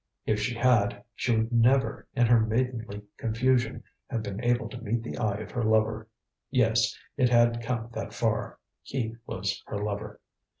If she had, she would never, in her maidenly confusion, have been able to meet the eye of her lover. Yes, it had come that far: he was her lover.